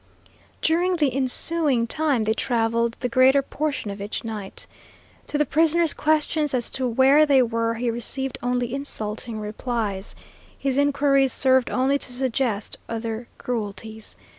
During the ensuing time they traveled the greater portion of each night. To the prisoner's questions as to where they were he received only insulting replies. His inquiries served only to suggest other cruelties.